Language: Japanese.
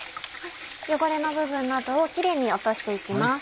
汚れの部分などをキレイに落として行きます。